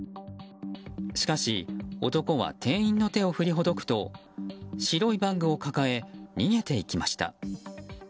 しかし男は店員の手を振りほどくと白いバッグを抱え逃げていきました。